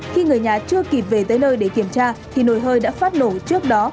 khi người nhà chưa kịp về tới nơi để kiểm tra thì nồi hơi đã phát nổ trước đó